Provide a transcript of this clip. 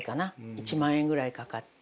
１万円ぐらいかかって。